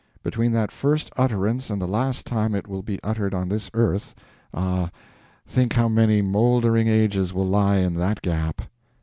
Between that first utterance and the last time it will be uttered on this earth—ah, think how many moldering ages will lie in that gap!